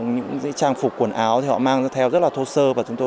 những trang phục quần áo họ mang theo rất là thô sơ